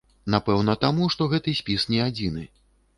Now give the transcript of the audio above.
Напэўна, таму, што гэты спіс не адзіны.